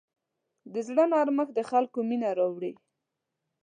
د زړه نرمښت د خلکو مینه راوړي.